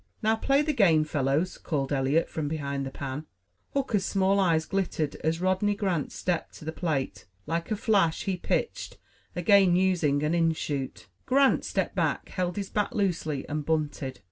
"Now play the game, fellows," called Eliot, from behind the pan. Hooker's small eyes glittered as Rodney Grant stepped to the plate. Like a flash he pitched, again using an in shoot. Grant stepped back, held his bat loosely and bunted.